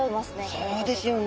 そうですよね。